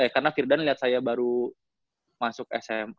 karena firdan liat saya baru masuk smp